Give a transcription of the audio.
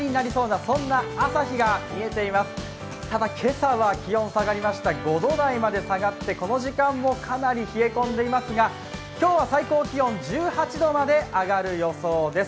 ただ、今朝は気温が５度台まで下がって、この時間もかなり冷え込んでいますが、今日は最高気温、１８度まで上がる予想です。